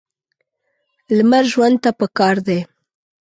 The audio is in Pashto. لمر ژوند ته پکار دی.